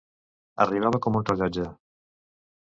Arribava com un rellotge.